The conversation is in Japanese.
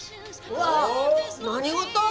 うわあ何事？